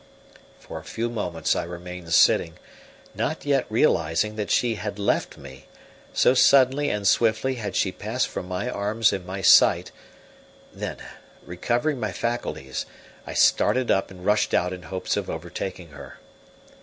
For a few moments I remained sitting, not yet realizing that she had left me, so suddenly and swiftly had she passed from my arms and my sight; then, recovering my faculties, I started up and rushed out in hopes of overtaking her.